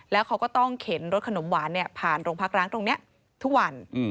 แล้วเขาก็ต้องเข็นรถขนมหวานผ่านโรงพักร้างตรงนี้ทุกวัน